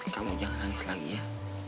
kamu jangan nangis lagi ya